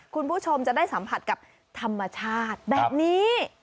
คุณผู้ชมจะได้สัมผัสกับธรรมชาติแบบนี้